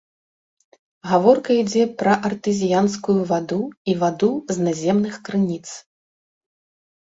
Гаворка ідзе пра артэзіянскую ваду і ваду з наземных крыніц.